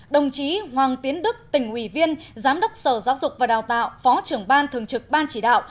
đồng chí hoàng tiến đức tỉnh ủy viên giám đốc sở giáo dục và đào tạo phó trưởng ban thường trực ban chỉ đạo